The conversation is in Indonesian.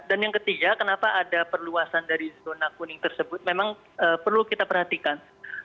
dan yang ketiga kenapa ada perluasan dari zona kuning tersebut memang perlu kita perhatikan